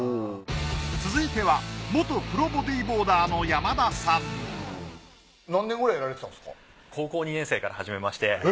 続いては元プロボディボーダーの何年くらいやられてたんですか？